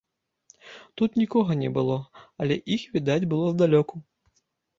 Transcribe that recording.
Тут нікога не было, але іх відаць было здалёку.